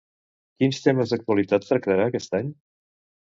Quins temes d'actualitat tractarà aquest any?